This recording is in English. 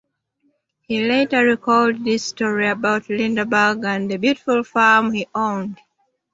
He later recalled this story about Lindeberg and the beautiful farm he owned.